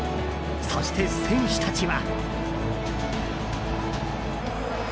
そして、選手たちは。